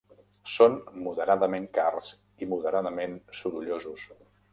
Són moderadament cars i moderadament sorollosos.